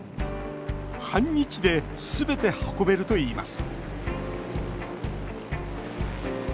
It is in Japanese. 半日ですべて運べるといいます